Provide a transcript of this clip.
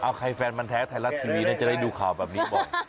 เอาใครแฟนมันแท้ไทยรัฐทีวีน่าจะได้ดูข่าวแบบนี้บ่อย